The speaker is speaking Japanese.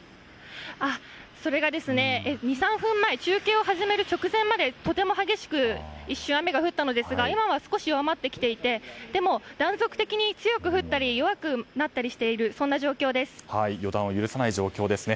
２３分前中継が始まる直前までとても激しく降ったのですが今は少し弱まってきていてでも断続的に強く降ったり弱くなったりしている予断を許さない状況ですね。